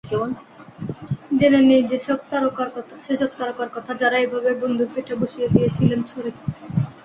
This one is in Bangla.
জেনে নিই সেসব তারকার কথা, যাঁরা এভাবেই বন্ধুর পিঠে বসিয়ে দিয়েছিলেন ছুরি।